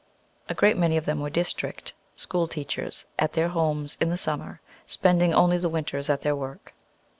A great many of them were district school teachers at their homes in the summer, spending only the winters at their work.